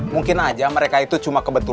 mungkin aja mereka itu cuma kebetulan